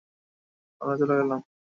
আমরাও চলে গেলাম।